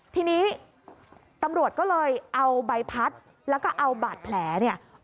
ทีนี้ตำรวจก็เลยเอาใบพัดแล้วก็เอาบาดแผลเนี่ย